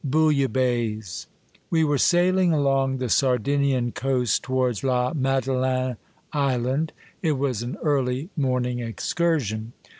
BOUILLABAISSE. We were sailing along the Sardinian coast towards La Madeleine Island. It was an early morning excursion.